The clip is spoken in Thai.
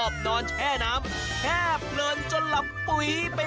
อบดอนแช่น้ำแคบเบิดจนหลับปลูกมาให้